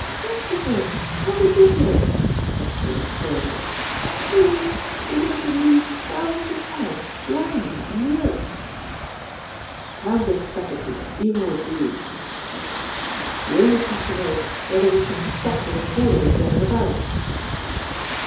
"Chesterford, how ridiculous!" exclaimed Dodo. "Do you mean you're going to leave thousands of pounds lying there in the earth?" "I can't discuss it, dear, even with you," said he. "The only question is whether we can stop the report of it going about."